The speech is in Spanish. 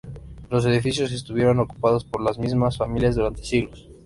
Los edificios estuvieron ocupados por las mismas familias durante siglos.